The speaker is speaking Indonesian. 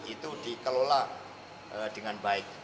itu dikelola dengan baik